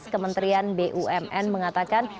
kementerian bumn mengatakan